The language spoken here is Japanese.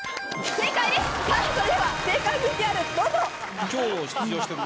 さぁそれでは正解ＶＴＲどうぞ！